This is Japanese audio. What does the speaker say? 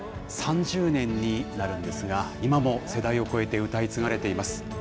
３０年になるんですが、今も世代を超えて歌い継がれています。